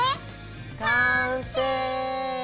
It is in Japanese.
完成！